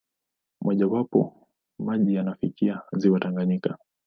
Mmojawapo, maji yanafikia ziwa Tanganyika.